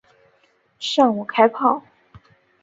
向我开炮！